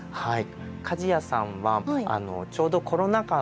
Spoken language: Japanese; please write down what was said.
はい。